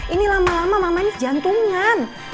ini lama lama mama manis jantungan